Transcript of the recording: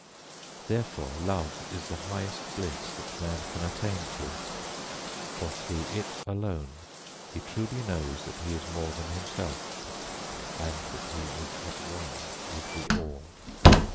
Therefore love is the highest bliss that man can attain to, for through it alone he truly knows that he is more than himself, and that he is at one with the All.